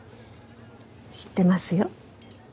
知ってますよ。